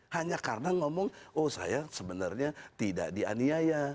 hanya karena ngomong oh saya sebenarnya tidak dianiaya